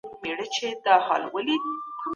ته مي په هغه اړه مه ملامتوه، چي زما په وسع کي نه دي.